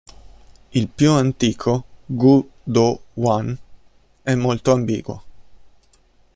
Il più antico, 古多万, è molto ambiguo.